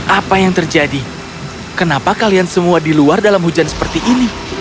apa yang terjadi kenapa kalian semua di luar dalam hujan seperti ini